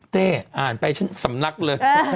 อ่านไปฉันสำลักเลย